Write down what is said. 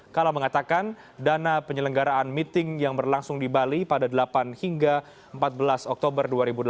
kala mengatakan dana penyelenggaraan meeting yang berlangsung di bali pada delapan hingga empat belas oktober dua ribu delapan belas